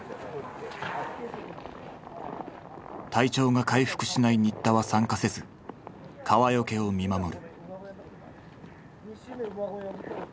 体調が回復しない新田は参加せず川除を見守る。